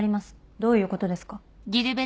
どういうことですか？